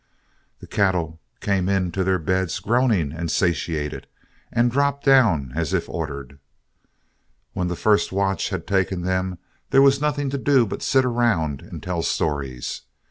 The cattle came in to their beds groaning and satiated, and dropped down as if ordered. When the first watch had taken them, there was nothing to do but sit around and tell stories.